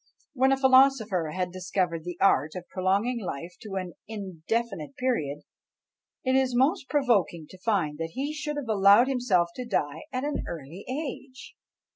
When a philosopher had discovered the art of prolonging life to an indefinite period, it is most provoking to find that he should have allowed himself to die at an early age!